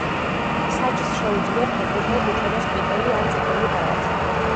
მსაჯს შეუძლია ფეხბურთელს უჩვენოს ყვითელი ან წითელი ბარათი.